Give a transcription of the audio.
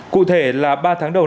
cụ thể là ba tháng đầu